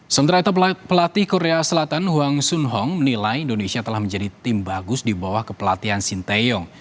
senterai pelatih korea selatan hwang soon hong menilai indonesia telah menjadi tim bagus di bawah kepelatihan shin tae yong